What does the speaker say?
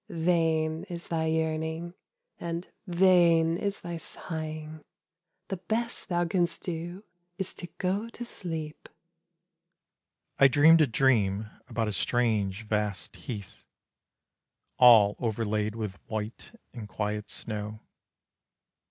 Vain is thy yearning and vain is thy sighing! The best thou canst do is to go to sleep." I dreamed a dream about a strange vast heath, All overlaid with white and quiet snow.